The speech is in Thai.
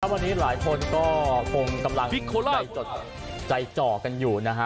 วันนี้หลายคนก็คงกำลังใจจดใจจ่อกันอยู่นะฮะ